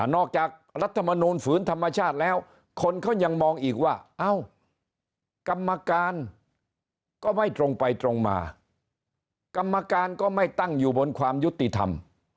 รัฐมนูลฝืนธรรมชาติแล้วคนเขายังมองอีกว่าเอ้ากรรมการก็ไม่ตรงไปตรงมากรรมการก็ไม่ตั้งอยู่บนความยุติธรรม